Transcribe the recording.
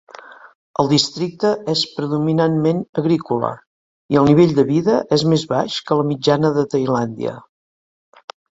El districte és predominantment agrícola i el nivell de vida és més baix que la mitjana de Tailàndia.